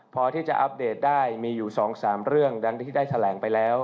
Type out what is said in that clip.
พอที่จะอัปเดตได้มีอยู่๒๓เรื่องดังที่ได้แถลงไปแล้ว